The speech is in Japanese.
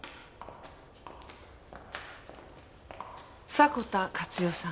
迫田勝代さん